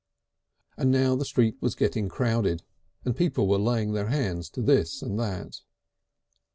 And now the street was getting crowded and people were laying their hands to this and that.